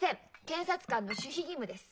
検察官の守秘義務です。